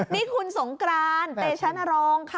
นี่คุณสงกรานเตชนรงค์ค่ะ